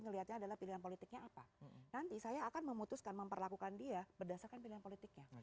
ngelihatnya adalah pilihan politiknya apa nanti saya akan memutuskan memperlakukan dia berdasarkan pilihan politiknya